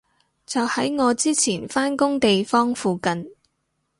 就喺我之前返工地方附近